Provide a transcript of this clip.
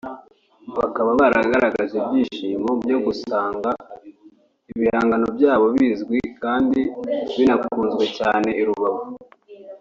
bakaba baragaragaje ibyishimo byo gusanga ibihangano byabo bizwi kandi binakunzwe cyane i Rubavu